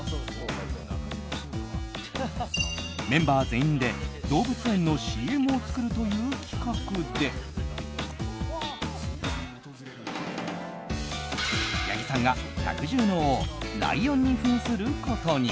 メンバー全員で動物園のＣＭを作るという企画で八木さんが百獣の王ライオンに扮することに。